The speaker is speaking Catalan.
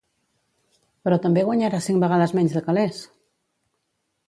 Però també guanyarà cinc vegades menys de calés!